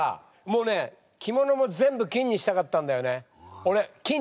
もうね着物も全部金にしたかったんだよね。